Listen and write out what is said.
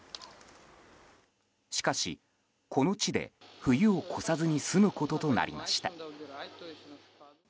しかし、この地で冬を越さずに済むこととなりました。